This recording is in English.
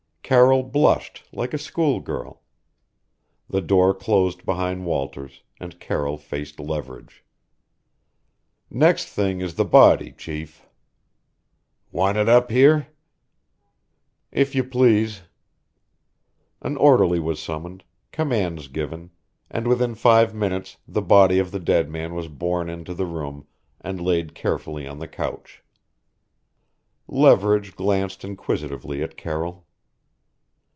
Carroll blushed like a schoolgirl. The door closed behind Walters, and Carroll faced Leverage. "Next thing is the body, chief." "Want it up here?" "If you please." An orderly was summoned, commands given, and within five minutes the body of the dead man was borne into the room and laid carefully on the couch. Leverage glanced inquisitively at Carroll.